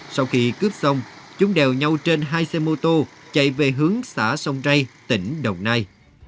sau khi cướp xong chúng đều nhau trên hai xe mô tô chạy về hướng xã sông ray tỉnh đồng nai